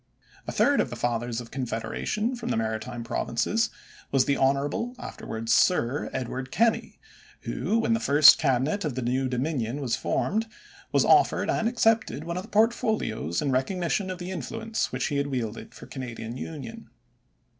A third of the Fathers of Confederation from the Maritime Provinces was the Honorable, afterwards Sir, Edward Kenny, who, when the first Cabinet of the New Dominion was formed, was offered and accepted one of the portfolios in recognition of the influence which he had wielded for Canadian union.